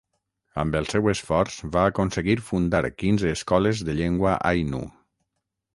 Amb el seu esforç va aconseguir fundar quinze escoles de llengua ainu.